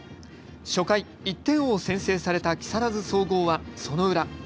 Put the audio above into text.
初回、１点を先制された木更津総合はその裏。